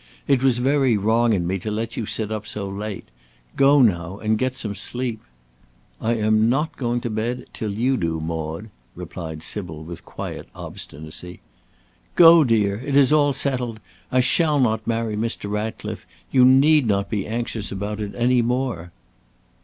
It was very wrong in me to let you sit up so late. Go now, and get some sleep." "I am not going to bed till you do, Maude!" replied Sybil, with quiet obstinacy. "Go, dear! it is all settled. I shall not marry Mr. Ratcliffe. You need not be anxious about it any more."